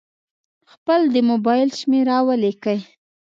خپل د مبایل شمېره ولیکئ.